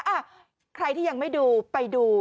อ่ะใครที่ยังไม่ดูไปดู